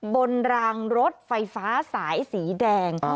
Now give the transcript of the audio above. กลางรถไฟฟ้าสายสีแดง